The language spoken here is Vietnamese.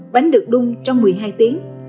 bánh được đung trong một mươi hai tiếng